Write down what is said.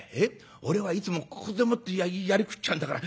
俺はいつもここでもって割食っちゃうんだから。